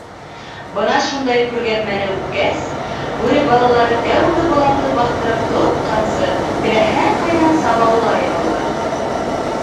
Бына шундай күргәҙмәне үткәс, бүре балалары тәүге боланды баҫтырып тотҡансы теләһә ҡайҙа сабаулай ала.